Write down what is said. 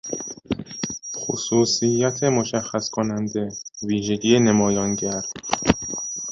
خصوصیت مشخص کننده، ویژگی نمایانگر